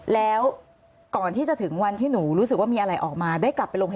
แล้วก่อนที่ถึงวันที่หนูรู้สึกมีอะไรออกมา